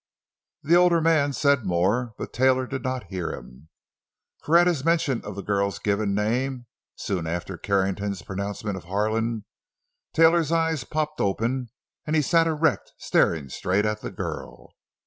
The older man said more, but Taylor did not hear him. For at his mention of the girl's given name, so soon after Carrington's pronouncement of "Harlan," Taylor's eyes popped open, and he sat erect, staring straight at the girl.